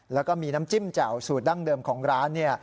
แล้วก็มีน้ำจิ้มแจ่วสูตรดั้งเดิมของร้าน